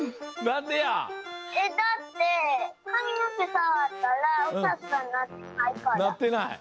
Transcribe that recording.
なってない。